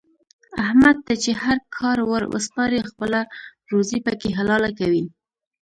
احمد ته چې هر کار ور وسپارې خپله روزي پکې حلاله کوي.